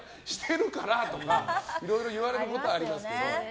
いろいろ言われることはありますけど。